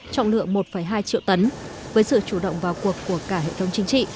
trọng lượng một hai triệu tấn với sự chủ động vào cuộc của cả hệ thống chính trị